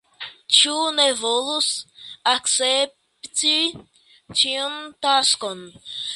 Ĉu ne volus akcepti tiun taskon?